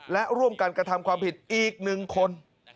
และร่วมกันกระทำความผิดอีก๑คน